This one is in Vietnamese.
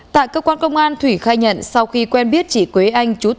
tại cơ quan công an thủy khai nhận sau khi quen biết chị quế anh